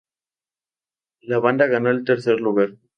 La banda ganó el tercer lugar.